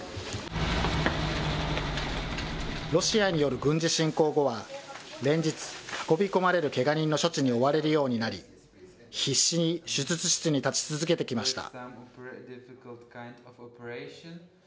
ロシアによる軍事侵攻後は、連日運び込まれるけが人の処置に追われるようになり、必死に手術室に立ち続けてきました。